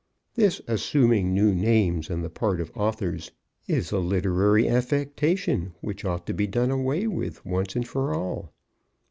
This assuming new names on the part of authors is a literary affectation which ought to be done away with once and for all).